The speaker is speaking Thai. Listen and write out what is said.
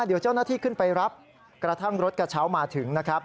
เดี๋ยวเจ้าหน้าที่ขึ้นไปรับกระทั่งรถกระเช้ามาถึงนะครับ